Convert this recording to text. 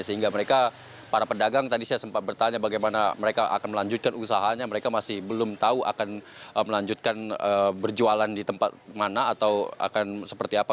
sehingga mereka para pedagang tadi saya sempat bertanya bagaimana mereka akan melanjutkan usahanya mereka masih belum tahu akan melanjutkan berjualan di tempat mana atau akan seperti apa